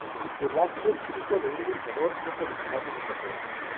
Velázquez, hijo de un luchador, es originario de Torreón.